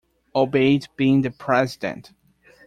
Obaid being the president.